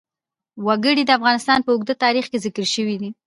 وګړي د افغانستان په اوږده تاریخ کې ذکر شوی دی.